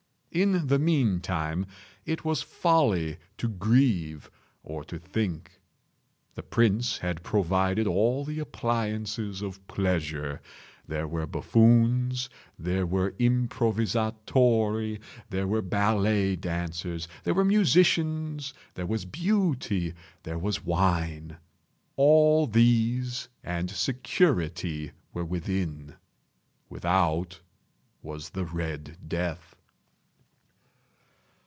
In the meantime it was folly to grieve, or to think. The prince had provided all the appliances of pleasure. There were buffoons, there were improvisatori, there were ballet dancers, there were musicians, there was Beauty, there was wine. All these and security were within. Without was the "Red Death."